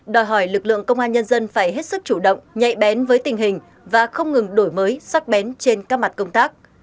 đòi hỏi lực lượng công an nhân dân phải hết sức chủ động nhạy bén với tình hình và không ngừng đổi mới sắc bén trên các mặt công tác